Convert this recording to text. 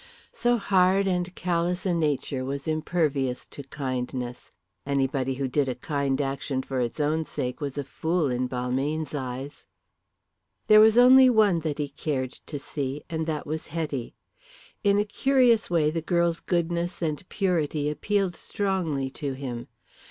So hard and callous a nature was impervious to kindness. Anybody who did a kind action for its own sake was a fool in Balmayne's eyes. There was only one that he cared to see, and that was Hetty. In a curious way the girl's goodness and purity appealed strongly to him.